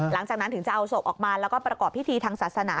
หลังจากนั้นถึงจะเอาศพออกมาแล้วก็ประกอบพิธีทางศาสนา